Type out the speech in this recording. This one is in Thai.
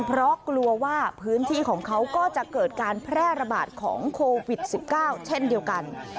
เพราะกลัวว่าพื้นที่ของเขาก็จะเกิดการแพร่ระบาดของโควิด๑๙เช่นเดียวกัน